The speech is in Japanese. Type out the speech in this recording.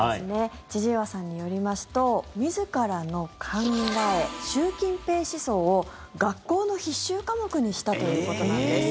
千々岩さんによりますと自らの考え、習近平思想を学校の必修科目にしたということなんです。